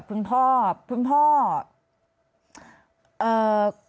คุณประทีบขอแสดงความเสียใจด้วยนะคะ